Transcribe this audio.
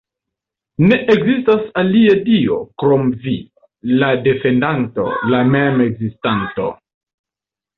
Ne ekzistas alia Dio krom Vi, la Defendanto, la Mem-Ekzistanto.